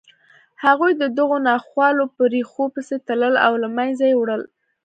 هغوی د دغو ناخوالو په ریښو پسې تلل او له منځه یې وړل